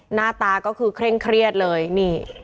หน้าตาก็คือเคร่งเครียดเลยนี่